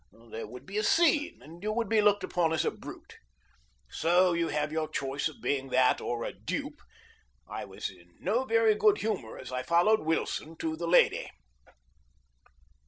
There would be a scene, and you would be looked upon as a brute. So you have your choice of being that or a dupe. I was in no very good humor as I followed Wilson to the lady.